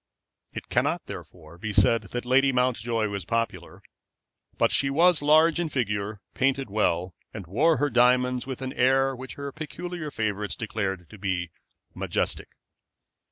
It cannot, therefore, be said that Lady Mountjoy was popular; but she was large in figure, and painted well, and wore her diamonds with an air which her peculiar favorites declared to be majestic.